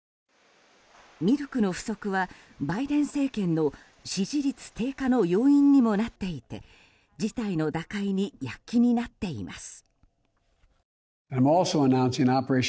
ミルクの不足はバイデン政権の支持率低下の要因にもなっていて事態の打開に躍起になっています。